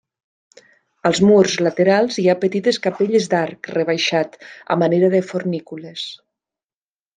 Als murs laterals hi ha petites capelles d'arc rebaixat a manera de fornícules.